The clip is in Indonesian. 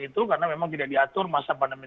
itu karena memang tidak diatur masa pandemi